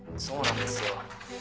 そうなんですよ。